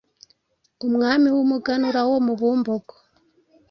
umwami w'umuganura wo mu Bumbogo